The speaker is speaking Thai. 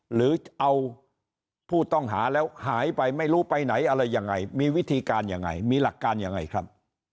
หรือเอาผู้ต้องหาแล้วหายไปไม่รู้ไปไหนอะไรยังไงมีวิธีการยังไงมีหลักการยังไงครับ